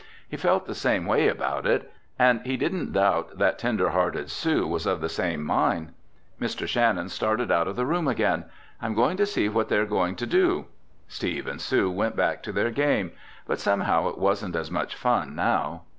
He felt the same way about it. And he didn't doubt that tender hearted Sue was of the same mind. Mr. Shannon started out of the room again. "I'm going to see what they are going to do." Steve and Sue went back to their game. But somehow it wasn't as much fun now.